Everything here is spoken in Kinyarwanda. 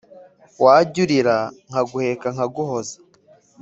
Wajya urira nkaguheka nkaguhoza